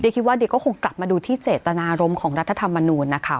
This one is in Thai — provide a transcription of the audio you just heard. คิดว่าเดี๋ยวก็คงกลับมาดูที่เจตนารมณ์ของรัฐธรรมนูญนะคะ